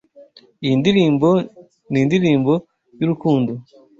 Iyi ndirimbo nindirimbo yurukundo.